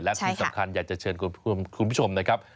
และที่สำคัญอยากจะเชิญคุณผู้ชมนะครับ